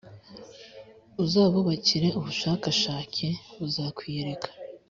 Uzabukurikire ubushakashake, buzakwiyereka,